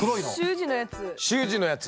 習字のやつ？